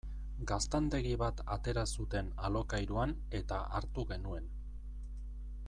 Gaztandegi bat atera zuten alokairuan eta hartu genuen.